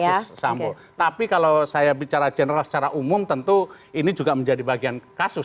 kasus sambo tapi kalau saya bicara general secara umum tentu ini juga menjadi bagian kasus